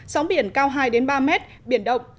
sóng biển cao hai ba mét biển động